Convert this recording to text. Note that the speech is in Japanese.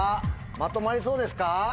まとまりそうですか？